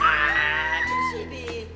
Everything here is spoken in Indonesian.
aaaa duduk sini